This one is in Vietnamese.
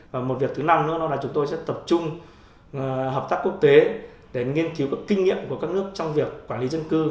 và một việc thứ năm nữa là chúng tôi sẽ tập trung hợp tác quốc tế để nghiên cứu các kinh nghiệm của các nước trong việc quản lý dân cư